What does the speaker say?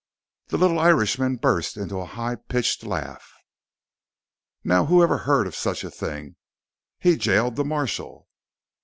The little Irishman burst into a high pitched laugh. "Now who ever heard of such a thing? He jailed the marshal."